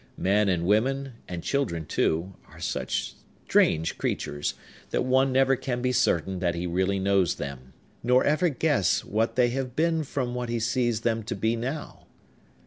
Men and women, and children, too, are such strange creatures, that one never can be certain that he really knows them; nor ever guess what they have been from what he sees them to be now.